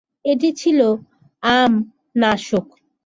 এটি ছিল আম-নাশক।